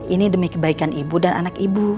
ini demi kebaikan ibu dan anak ibu